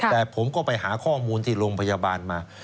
แต่ผมก็ไปหาข้อมูลที่โรงพยาบาลมา